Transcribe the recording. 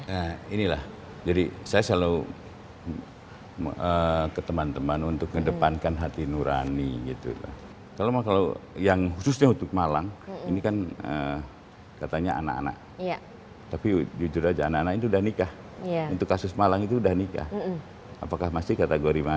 nah inilah jadi saya selalu ke teman teman untuk kedepankan hati nurani gitu kalau mau kalau yang khususnya untuk malang ini kan katanya anak anak tapi jujur aja anak anak itu udah nikah untuk kasus malang itu udah nikah apakah masih kategori mana